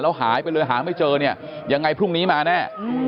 แล้วหายไปเลยหาไม่เจอยังไงพรุ่งนี้มาแน่